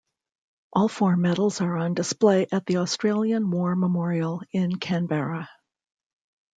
All four medals are on display at the Australian War Memorial in Canberra.